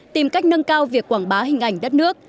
tìm cách nâng cao việc quảng bá hình ảnh đất nước